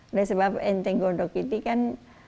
oleh sebab eceng gondok itu kan